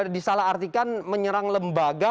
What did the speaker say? disalah artikan menyerang lembaga